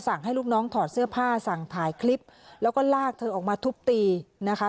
ให้ลูกน้องถอดเสื้อผ้าสั่งถ่ายคลิปแล้วก็ลากเธอออกมาทุบตีนะคะ